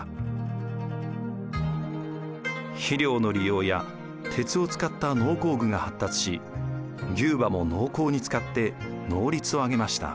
肥料の利用や鉄を使った農耕具が発達し牛馬も農耕に使って能率を上げました。